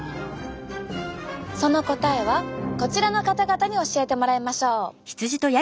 その答えはこちらの方々に教えてもらいましょう。